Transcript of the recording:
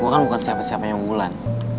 gue kan bukan siapa siapanya mugulan